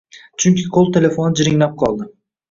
Chunki qoʻl telefoni jiringlab qoldi